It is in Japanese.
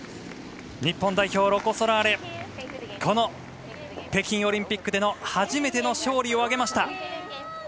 日本代表、ロコ・ソラーレこの北京オリンピックでの初めての勝利を挙げました。